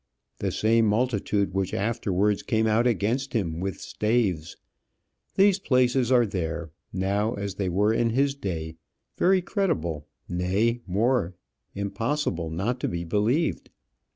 the same multitude which afterwards came out against him with staves: these places are there, now as they were in his day, very credible nay, more, impossible not to be believed.